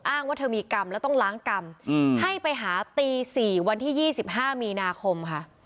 ว่าเธอมีกรรมแล้วต้องล้างกรรมให้ไปหาตี๔วันที่๒๕มีนาคมค่ะ